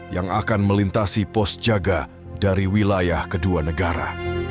yang akan melintasi pos jaga dari wilayah kedua negara